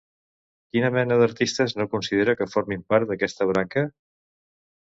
Quina mena d'artistes no considera que formin part d'aquesta branca?